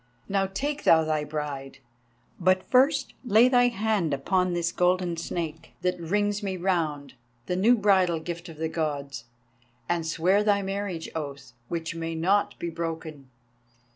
Now take thou thy Bride; but first lay thy hand upon this golden Snake, that rings me round, the new bridal gift of the Gods, and swear thy marriage oath, which may not be broken.